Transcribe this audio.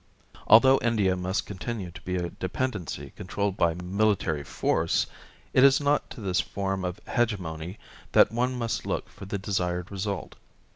Although India must continue to be a dependency controlled by military force, it is not to this form of hegemony that one must look for the desired result.